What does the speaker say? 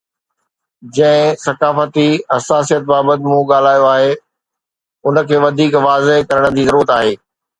جنهن ثقافتي حساسيت بابت مون ڳالهايو آهي، ان کي وڌيڪ واضح ڪرڻ جي ضرورت آهي.